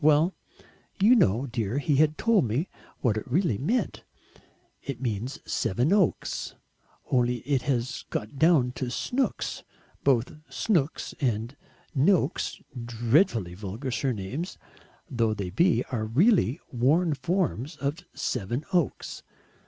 Well, you know, dear, he had told me what it really meant; it means Sevenoaks, only it has got down to Snooks both Snooks and Noaks, dreadfully vulgar surnames though they be, are really worn forms of Sevenoaks.